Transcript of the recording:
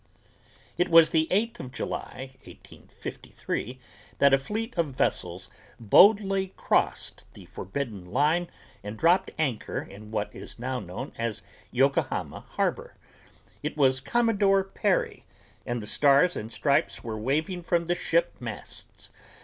It was the eighth of July, 1853, that a fleet of vessels boldly crossed the forbidden line and dropped anchor in what is now known as Yokohama harbor. It was Commodore Perry and the stars and stripes were waving from the ship masts.